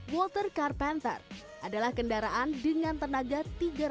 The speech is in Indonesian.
watercar panther adalah kendaraan dengan tenaga tiga lima meter